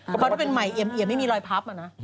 เก็บเลยเพราะต้องเป็นใหม่เอียมไม่มีรอยพับอ่ะนะ